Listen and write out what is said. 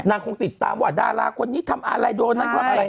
นางคงติดตามว่าดาราคนนี้ทำอะไรโดน